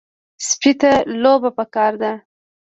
سپي ته لوبه پکار ده.